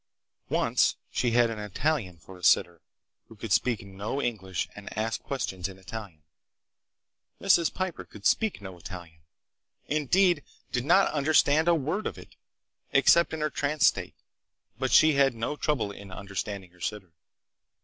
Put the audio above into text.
Once she had an Italian for sitter, who could speak no English and asked questions in Italian. Mrs. Piper could speak no Italian, indeed did not understand a word of it, except in her trance state. But she had no trouble in understanding her sitter.